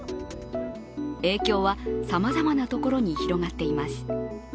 影響はさまざまなところに広がっています。